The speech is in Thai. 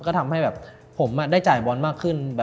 ก็ทำให้แบบผมได้จ่ายบอลมากขึ้น